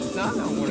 これ。